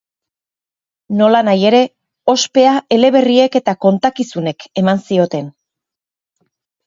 Nolanahi ere, ospea eleberriek eta kontakizunek eman zioten.